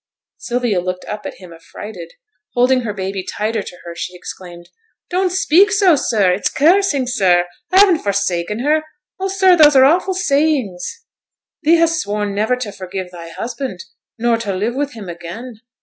Sylvia looked up at him affrighted; holding her baby tighter to her, she exclaimed. 'Don't speak so, sir! it's cursing, sir! I haven't forsaken her! Oh, sir! those are awful sayings.' 'Thee hast sworn never to forgive thy husband, nor to live with him again.